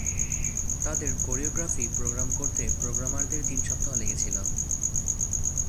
তাদের choreography program করতে প্রোগ্রামারদের তিন সপ্তাহ লেগেছিল।